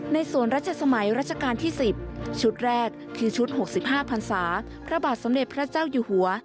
ในส่วนรัชสมัยรัชกาลที่๑๐ชุดแรกคือชุด๖๕พันศาพระบาทสมเด็จพระเจ้าอยู่หัว